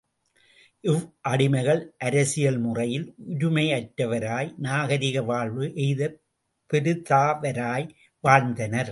இவ்வடிமைகள் அரசியல் முறையில் உரிமை அற்றவராய், நாகரிக வாழ்வு எய்தப் பெருதவராய் வாழ்ந்தனர்.